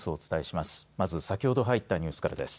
まず先ほど入ったニュースからです。